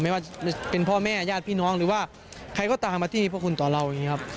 ไม่ว่าเป็นพ่อแม่ญาติพี่น้องหรือว่าใครก็ตามมาที่พวกคุณต่อเราอย่างนี้ครับ